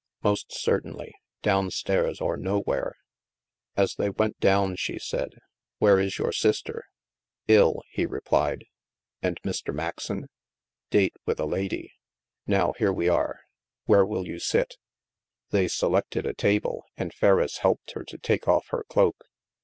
'* Most certainly. Down stairs, or nowhere." As they went down she said :*' Where is your sister?" " III," he replied. *'AndMr. Maxon?" " Date with a lady. Now here we are 1 Where will you sit?" They selected a table, and Ferriss helped her to take off her cloak.